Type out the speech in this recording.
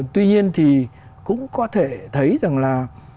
tuy nhiên thì cũng có thể thấy rằng là